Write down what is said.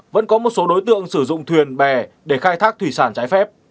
vẫn có một số đối tượng sử dụng thuyền bè để khai thác thủy sản trái phép